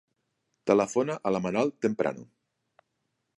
Telefona a la Manal Temprano.